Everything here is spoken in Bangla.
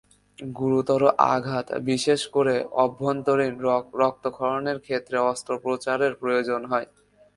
গুরুতর আঘাত, বিশেষ করে অভ্যন্তরীণ রক্তক্ষরণের ক্ষেত্রে অস্ত্রোপচারের প্রয়োজন হয়।